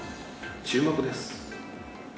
注目です。